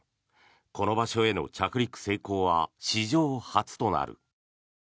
この場所への着陸成功は史上初となる。